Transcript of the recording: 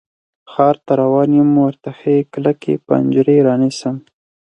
ښار ته روان یم، ورته ښې کلکې پنجرې رانیسم